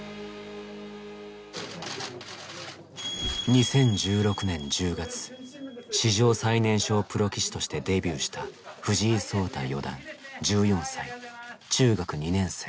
２０１６年１０月史上最年少プロ棋士としてデビューした藤井聡太四段１４歳中学２年生。